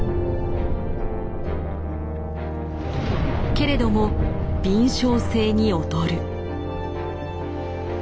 けれども敏しょう性に劣る。